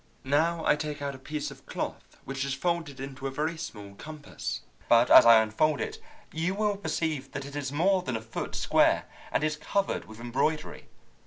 "Now I take out a piece of cloth which is folded into a very small compass, but as I unfold it you will perceive that it is more than a foot square, and is covered with embroidery.